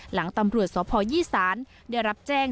หลังตำรวจสพยี่สานได้รับแจ้ง